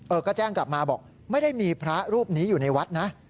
ก็แจ้งกลับมาบอกไม่ได้มีพระรูปนี้อยู่ในวัดนะ